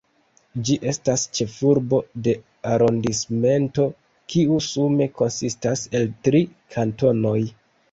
Ĝi estas ĉefurbo de arondismento, kiu sume konsistas el tri kantonoj.